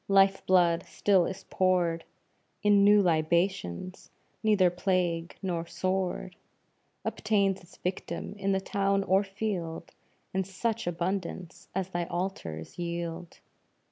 Life blood still is poured In new libations neither plague nor sword Obtains its victims, in the town or field, In such abundance as thy altars yield.